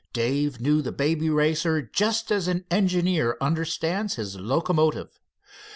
Dave knew the Baby Racer just as an engineer understands his locomotive.